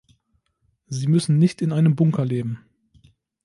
Sie müssen nicht in einem Bunker leben.